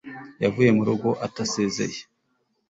yavuye mu rugo atasezeye